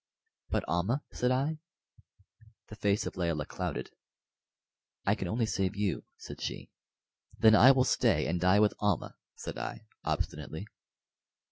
"But Almah?" said I. The face of Layelah clouded. "I can only save you," said she. "Then I will stay and die with Almah," said I, obstinately.